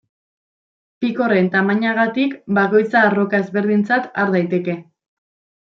Pikorren tamainagatik bakoitza arroka ezberdintzat har daiteke.